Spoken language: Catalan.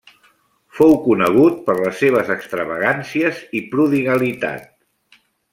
Fou conegut per les seves extravagàncies i prodigalitat.